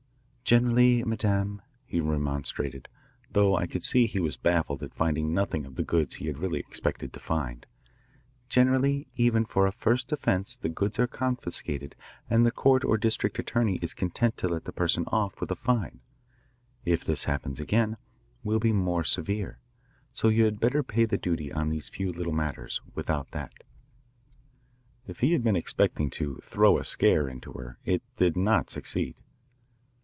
"Generally, madame," he remonstrated, though I could see he was baffled at finding nothing of the goods he had really expected to find, "generally even for a first offence the goods are confiscated and the court or district attorney is content to let the person off with a fine. If this happens again we'll be more severe. So you had better pay the duty on these few little matters, without that." If he had been expecting to "throw a scare "into her, it did not succeed.